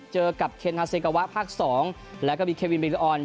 เจอกับเคนฮาเซกาวะภาค๒แล้วก็มีเควินบิลออน